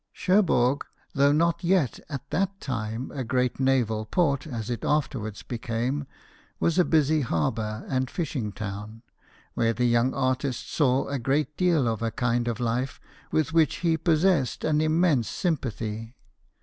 Cherbourg, though not yet at that time a great naval port, as it afterwards became, was a busy harbour and fishing town, where the young artist saw a great deal of a kind of life with which he possessed an immense sympathy.